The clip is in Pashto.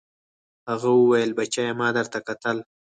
هغه وويل بچيه ما درته کتل.